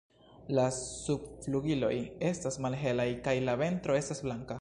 La subflugiloj estas malhelaj kaj la ventro estas blanka.